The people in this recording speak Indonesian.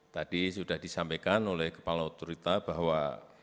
tadi sudah disampaikan oleh kepala otorita bahwa